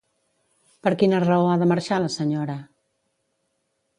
Per quina raó ha de marxar la senyora?